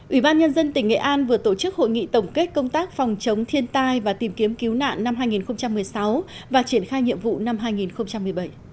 ủy ban nhân dân tỉnh nghệ an vừa tổ chức hội nghị tổng kết công tác phòng chống thiên tai và tìm kiếm cứu nạn năm hai nghìn một mươi sáu và triển khai nhiệm vụ năm hai nghìn một mươi bảy